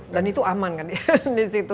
dan itu aman kan di situ